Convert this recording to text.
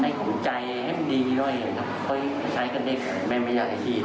ให้ขอบใจให้ดีหน่อยถ้าใช้ก็เด็กแม่ไม่อยากให้ชีด